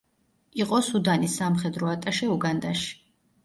იყო სუდანის სამხედრო ატაშე უგანდაში.